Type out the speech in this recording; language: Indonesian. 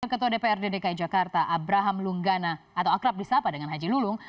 ketua dprd dki jakarta abraham lunggana atau akrab disapa dengan haji lulung